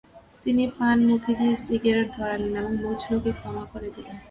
তিনি পান মুখে দিয়ে সিগারেট ধরালেন এবং মজনুকে ক্ষমা করে দিলেন।